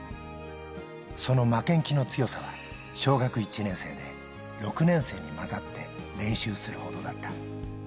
その負けん気の強さは小学１年生で６年生に交ざって練習するほどだった。